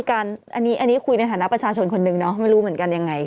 อันนี้คุยในฐานะประชาชนคนหนึ่งเนาะไม่รู้เหมือนกันยังไง